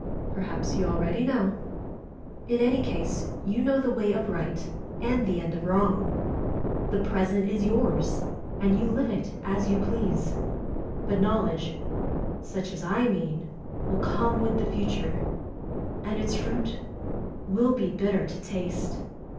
Perhaps you already know. In any case you know the way of right; and the end of wrong. The present is yours, and you live it as you please. But knowl edge, such as I mean, will come with the future, and its fruit will be bitter to taste.